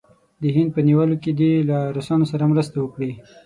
د هند په نیولو کې دې له روسانو سره مرسته وکړي.